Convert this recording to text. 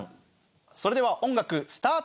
それでは音楽スタート！